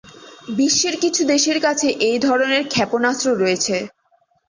বিশ্বের কিছু দেশের কাছে এই ধরনের ক্ষেপণাস্ত্র রয়েছে।